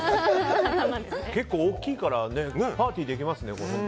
結構大きいからパーティーができますね。